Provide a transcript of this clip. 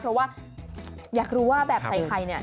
เพราะว่าอยากรู้ว่าแบบใส่ใครเนี่ย